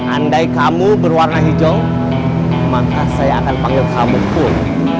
andai kamu berwarna hijau maka saya akan panggil kamu pun